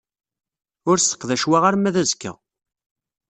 Ur sseqdac wa arma d azekka.